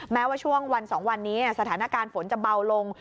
แม้ว่าช่วงวัน๒วันนี้สถานการณ์ฝนจะเบาลง